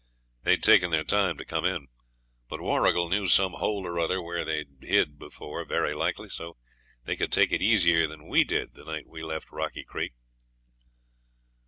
They'd taken their time to come in, but Warrigal knew some hole or other where they'd hid before very likely, so they could take it easier than we did the night we left Rocky Creek.